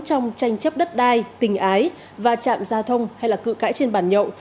trong tranh chấp đất đai tình ái va chạm gia thông hay là cự cãi trên bàn nhậu